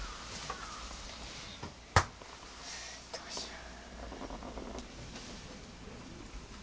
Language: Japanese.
どうしよう。